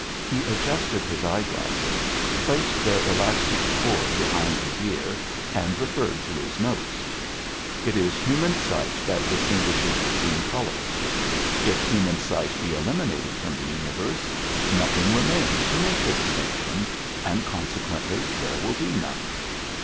He adjusted his eyeglasses, placed their elastic cord behind his ear, and referred to his notes. "It is human sight that distinguishes between colors. If human sight be eliminated from the universe, nothing remains to make the distinction, and consequently there will be none.